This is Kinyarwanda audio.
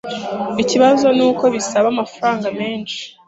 Ikibazo nuko bisaba amafaranga menshi.